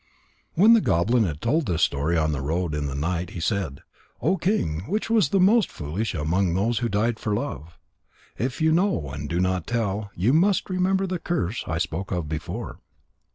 When the goblin had told this story on the road in the night, he said: "O King, which was the most foolish among those who died for love? If you know and do not tell, you must remember the curse I spoke of before."